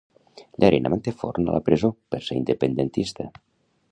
Llarena manté Forn a la presó per ser independentista